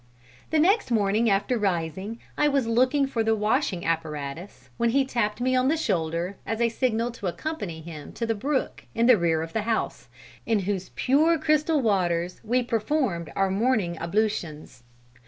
"The next morning, after rising, I was looking for the washing apparatus, when he tapped me on the shoulder, as a signal to accompany him to the brook in the rear of the house, in whose pure crystal waters we performed our morning ablutions.